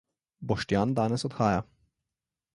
Boštjan danes odhaja.